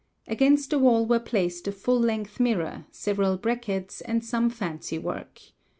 Against the wall were placed a full length mirror, several brackets, and some fancy work.